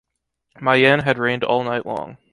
Mayenne had rained all night long.